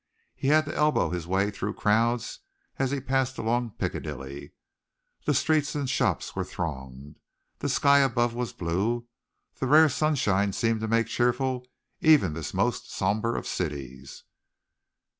He had to elbow his way through crowds as he passed along Piccadilly. The streets and shops were thronged. The sky above was blue. The rare sunshine seemed to make cheerful even this most sombre of cities.